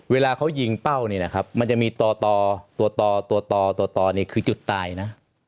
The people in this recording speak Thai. เวลาเขายิงเป้านี่นะครับมันจะมีต่อตัวต่อตัวต่อตัวต่อนี่คือจุดตายนะ